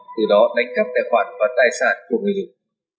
từ đó đánh cắp tài khoản và tài sản của người dùng